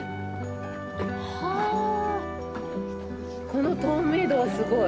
はあ、この透明度はすごい。